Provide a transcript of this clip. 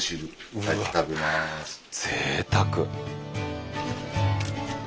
ぜいたく！